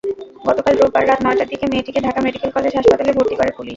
গতকাল রোববার রাত নয়টার দিকে মেয়েটিকে ঢাকা মেডিকেল কলেজ হাসপাতালে ভর্তি করে পুলিশ।